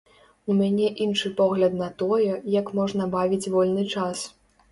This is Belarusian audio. У мяне іншы погляд на тое, як можна бавіць вольны час.